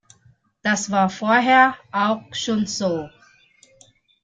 Das war vorher auch schon so.